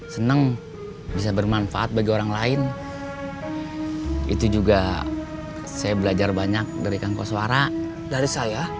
senang bisa bermanfaat bagi orang lain itu juga saya belajar banyak dari kankos suara dari saya